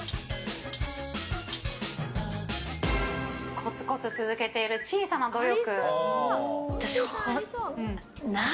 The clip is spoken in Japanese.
コツコツ続けている小さな努力。